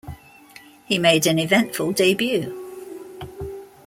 He made an eventful debut.